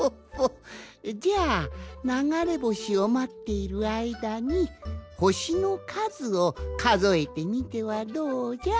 じゃあながれぼしをまっているあいだにほしのかずをかぞえてみてはどうじゃ？